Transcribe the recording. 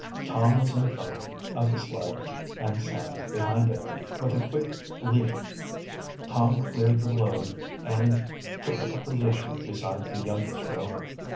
Tom was in front of the sled and Sam behind it. With a quick leap Tom cleared the load and took up a position beside the youngest Rover.